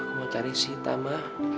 aku mau cari sita ma